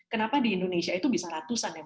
kenapa di indonesia itu bisa ratusan ya